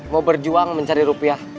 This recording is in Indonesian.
mau berjuang mencari rupiah